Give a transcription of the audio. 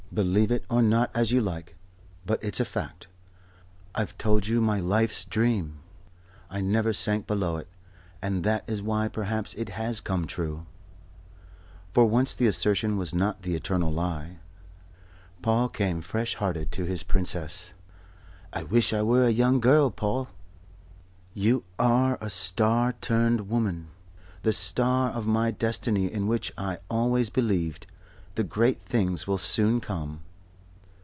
Believe it or not as you like. But it's a fact. I've told you my life's dream. I never sank below it; and that is why perhaps it has come true." For once the assertion was not the eternal lie. Paul came fresh hearted to his Princess. "I wish I were a young girl, Paul." "You are a star turned woman. The Star of my Destiny in which I always believed. The great things will soon come."